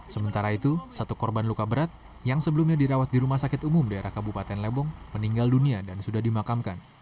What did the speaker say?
sementara itu satu korban luka berat yang sebelumnya dirawat di rumah sakit umum daerah kabupaten lebong meninggal dunia dan sudah dimakamkan